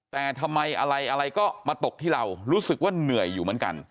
แต่ทำไมอะไรก็มาตกที่เรารู้สึกว่าเหนื่อยอยู่เหมือนกัน